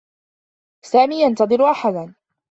سامي ينتظر أحدا.